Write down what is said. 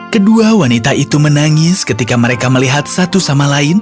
kedua wanita itu menangis ketika mereka melihat satu sama lain